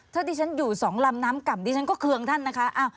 ถ้าดิฉันอยู่สองลำน้ำก่ำดิฉันก็เคืองท่านนะคะ